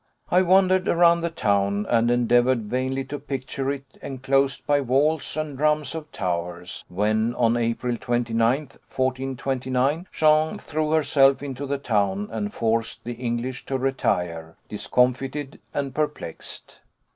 I wandered around the town, and endeavoured vainly to picture it, enclosed by walls and drums of towers, when on April 29th, 1429, Jeanne threw herself into the town and forced the English to retire, discomfited and perplexed.